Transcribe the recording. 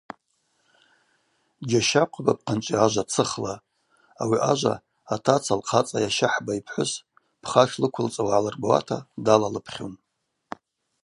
Джьащахъвапӏ апхъанчӏви ажва цыхла, ауи ажва атаца лхъацӏа йащахӏба йпхӏвыс пха шлыквылцӏауа гӏалырбауата далалыпхьун.